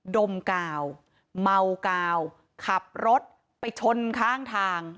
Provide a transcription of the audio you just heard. ดมกาวเมากาวขับรถไปชนข้างทาง